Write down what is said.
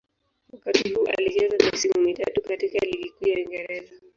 Wakati huu alicheza misimu mitatu katika Ligi Kuu ya Uingereza.